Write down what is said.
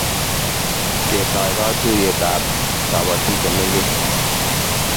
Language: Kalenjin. Ketoi katuiyet ab kapotik chemengech